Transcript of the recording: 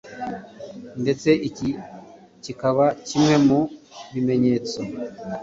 ndetse iki kikaba kimwe mu bimeneyetso